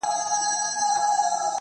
دغه ساغر هغه ساغر هره ورځ نارې وهي.